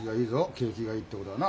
景気がいいってことだな。